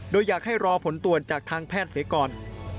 โดยอยากให้รอผลตรวจจากทางแพทย์เสียก่อน